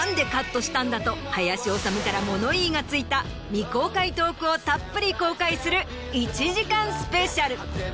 と林修から物言いがついた未公開トークをたっぷり公開する１時間スペシャル。